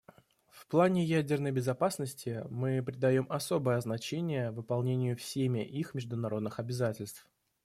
В плане ядерной безопасности мы придаем особое значение выполнению всеми их международных обязательств.